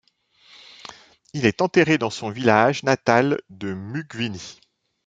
Il est enterré dans son village natal de Mucwini.